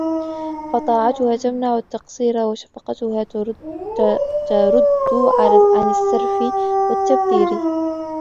فَطَاعَتُهَا تَمْنَعُ التَّقْصِيرَ ، وَشَفَقَتُهَا تَرُدُّ عَنْ السَّرَفِ وَالتَّبْذِيرِ